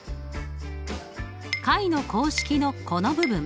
解の公式のこの部分。